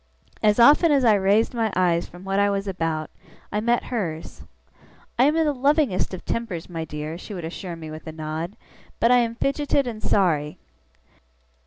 As often as I raised my eyes from what I was about, I met hers. 'I am in the lovingest of tempers, my dear,' she would assure me with a nod, 'but I am fidgeted and sorry!